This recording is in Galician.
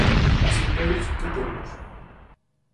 Así pois, ¿que temos?